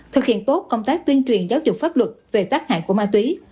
thực hiện tốt công tác tuyên truyền giáo dục pháp luật về tác hại của ma túy